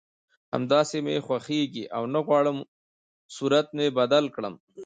همداسې مې خوښېږي او نه غواړم صورت مې بدل کړم